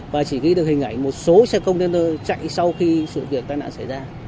và chỉ ghi được hình ảnh một số xe container chạy sau khi sự việc tai nạn xảy ra